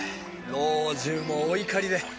老中もお怒りで。